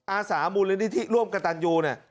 อาสามูลนิธิร่วมกับตันยูเนี่ย